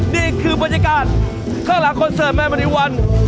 นี่คือบรรยากาศข้างหลังคอนเสิร์ตแม่มณีวัน